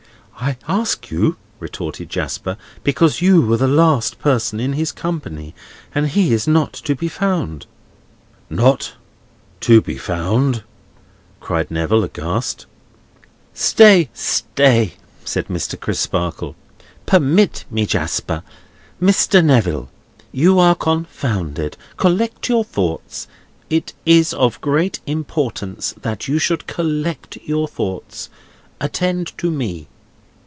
"I ask you," retorted Jasper, "because you were the last person in his company, and he is not to be found." "Not to be found!" cried Neville, aghast. "Stay, stay," said Mr. Crisparkle. "Permit me, Jasper. Mr. Neville, you are confounded; collect your thoughts; it is of great importance that you should collect your thoughts; attend to me."